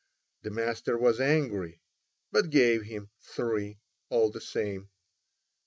The master was angry, but gave him 3 all the same.